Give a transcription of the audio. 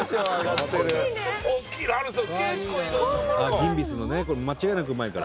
ギンビスのねこれ間違いなくうまいから。